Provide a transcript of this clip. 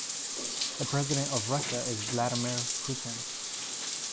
The president of Russia is Vladimir Putin.